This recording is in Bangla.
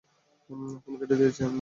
ফোন কেটে দিয়েছে।